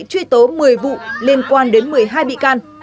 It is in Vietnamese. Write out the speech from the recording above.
truy tố một mươi vụ liên quan đến một mươi hai bị can